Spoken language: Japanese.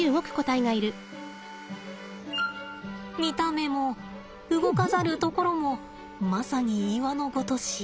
見た目も動かざるところもまさに岩のごとし。